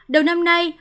đầu năm nay